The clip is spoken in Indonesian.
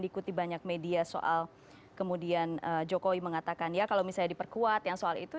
ikuti banyak media soal kemudian jokowi mengatakan ya kalau misalnya diperkuat yang soal itu